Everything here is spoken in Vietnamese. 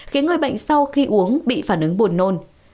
khiến người bệnh sau khi uống bị phản ứng buồn nôn